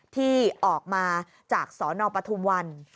ที่ออกมาจากสนปทุมวัน